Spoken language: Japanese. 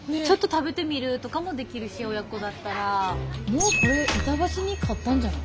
もうこれ板橋に勝ったんじゃない？